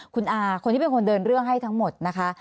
คุณอาคนที่เป็นคนเดินเรื่องให้ทั้งหมดนะคะ